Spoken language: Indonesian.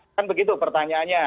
kan begitu pertanyaannya